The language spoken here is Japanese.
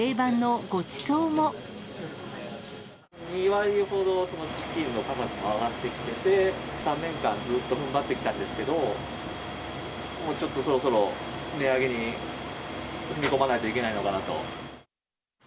２割ほど、チキンの価格も上がってきてて、３年間、ずっとふんばってきたんですけど、もうちょっとそろそろ、値上げに踏み込まないといけないのかなと。